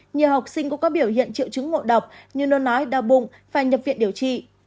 nhiều học sinh cũng có biểu hiện triệu chứng ngộ độc như nôn nói đau bụng phải nhập viện điều trị